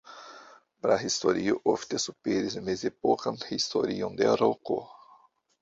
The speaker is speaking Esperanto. Prahistorio ofte superis mezepokan historion de Roko.